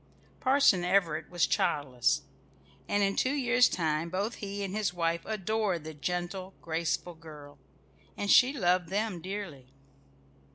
Parson Everett was childless, and in two years' time both he and his wife adored the gentle, graceful girl; and she loved them dearly.